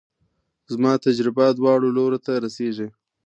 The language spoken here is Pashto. زما تجربه دواړو لورو ته رسېږي.